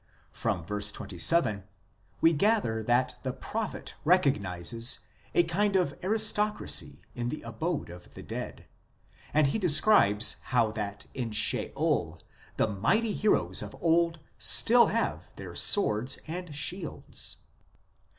From verse 27 we gather that the prophet recognizes a kind of aristocracy in the abode of the dead ; and he describes how that in Sheol the mighty heroes of old still have their swords and shields.